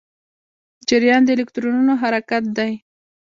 جریان د الکترونونو حرکت دی.